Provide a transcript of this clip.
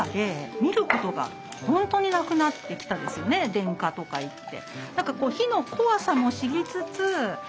電化とかいって。